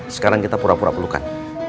sekarang kita pura pura pelukan